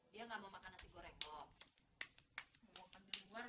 dia gak mau makan nasi goreng bon